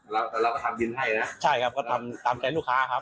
แล้วแต่เราก็ทำกินให้นะใช่ครับก็ทำตามใจลูกค้าครับ